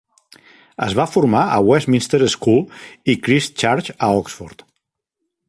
Es va formar a Westminster School i Christ Church a Oxford.